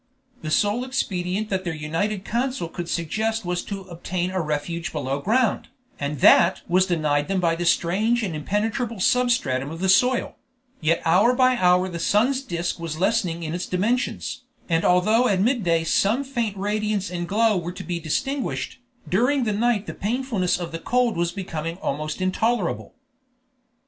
The sole expedient that their united counsel could suggest was to obtain a refuge below ground, and that was denied them by the strange and impenetrable substratum of the soil; yet hour by hour the sun's disc was lessening in its dimensions, and although at midday some faint radiance and glow were to be distinguished, during the night the painfulness of the cold was becoming almost intolerable.